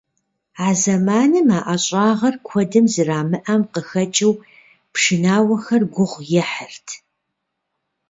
А зэманым а ӀэщӀагъэр куэдым зэрамыӀэм къыхэкӀыу, пшынауэхэр гугъу ехьырт.